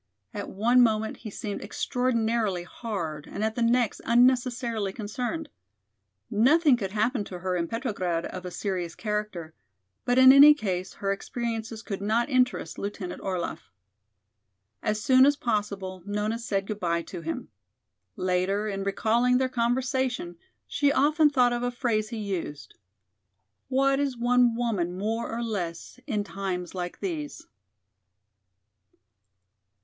At one moment he seemed extraordinarily hard and at the next unnecessarily concerned. Nothing could happen to her in Petrograd of a serious character, but in any case her experiences could not interest Lieutenant Orlaff. As soon as possible Nona said good by to him. Later, in recalling their conversation, she often thought of a phrase he used: "What is one woman more or less in times like these?"